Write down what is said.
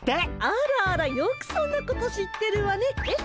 あらあらよくそんなこと知ってるわねえっミノル？